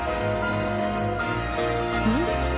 うん？